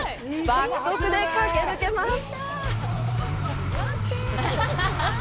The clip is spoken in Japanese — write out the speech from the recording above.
爆速で駆け抜けます！